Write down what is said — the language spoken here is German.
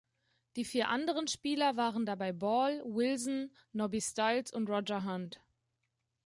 Die vier anderen Spieler waren dabei Ball, Wilson, Nobby Stiles und Roger Hunt.